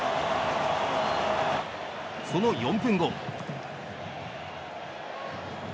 その４分後。